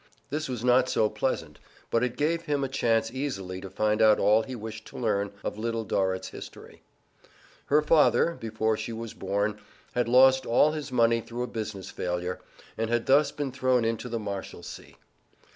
This was not so pleasant, but it gave him a chance easily to find out all he wished to learn of Little Dorrit's history. Her father, before she was born, had lost all his money through a business failure, and had thus been thrown into the Marshalsea.